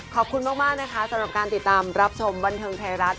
ขอบคุณมากนะคะสำหรับการติดตามรับชมบันเทิงไทยรัฐ